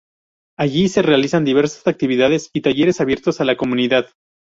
Allí, se realizan diversas actividades y talleres abiertos a la comunidad.